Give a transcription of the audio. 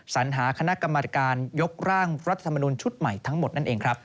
สัญหาคณะกรรมการยกร่างรัฐธรรมนุนชุดใหม่ทั้งหมดนั่นเองครับ